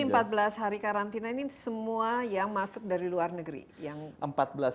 jadi empat belas hari karantina ini semua yang masuk dari luar negeri